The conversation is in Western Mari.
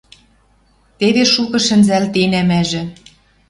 Теве шукы шӹнзӓлтенӓ мӓжӹ.